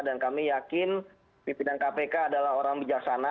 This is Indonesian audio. dan kami yakin pimpinan kpk adalah orang bijaksana